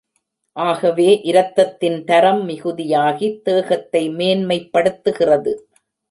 ஆகவே, இரத்தத்தின் தரம் மிகுதியாகி, தேகத்தை மேன்மை படுத்துகிறது.